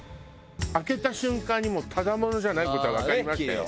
開けた瞬間にもうただ者じゃない事はわかりましたよ。